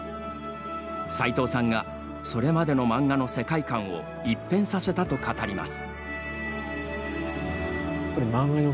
さいとうさんがそれまでの漫画の世界観を一変させたと語ります。